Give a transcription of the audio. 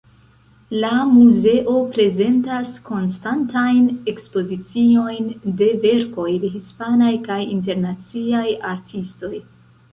La muzeo prezentas konstantajn ekspoziciojn de verkoj de hispanaj kaj internaciaj artistoj.